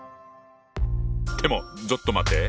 でもちょっと待って。